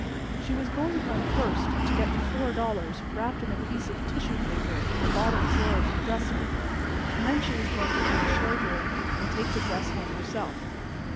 She was going home first to get the $4 wrapped in a piece of tissue paper in the bottom drawer of her dresser, and then she was going to pay Schlegel and take the dress home herself.